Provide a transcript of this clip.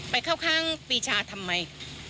เข้าข้างปีชาทำไม